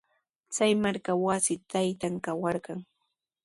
Chay markatrawshi taytan kawarqan.